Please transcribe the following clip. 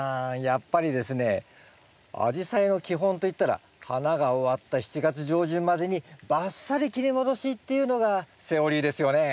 やっぱりですねアジサイの基本といったら花が終わった７月上旬までにバッサリ切り戻しっていうのがセオリーですよね？